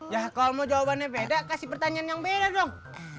ya kalau mau jawabannya beda kasih pertanyaan yang beda dong